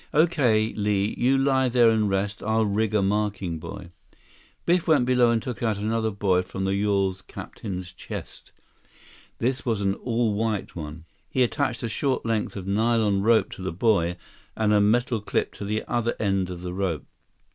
"Okay, Li. You lie there and rest. I'll rig a marking buoy." Biff went below and took out another buoy from the yawl's captain's chest. This was an all white one. He attached a short length of nylon rope to the buoy, and a metal clip to the other end of the rope.